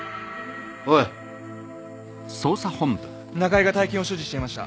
おい中井が大金を所持していました